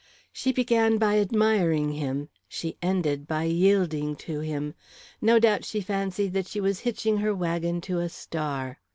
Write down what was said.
She began by admiring him; she ended by yielding to him. No doubt she fancied that she was hitching her wagon to a star.